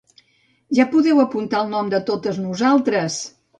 Ja podeu apuntar el nom de totes nosaltres!